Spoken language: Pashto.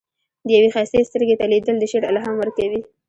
یوې ښایستې سترګې ته لیدل، د شعر الهام ورکوي.